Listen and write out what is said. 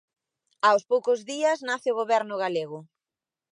Aos poucos días nace o Goberno galego.